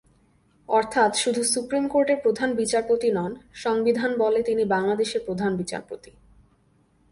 অর্থাৎ শুধু সুপ্রিম কোর্টের প্রধান বিচারপতি নন, সংবিধানবলে তিনি বাংলাদেশের প্রধান বিচারপতি।